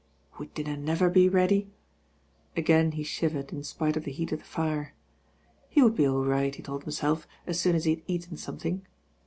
Would dinner never be ready? Again he shiv ered, in spite of the heat of the fire. He would be aU right, he told himself, as soon as he had eaten something.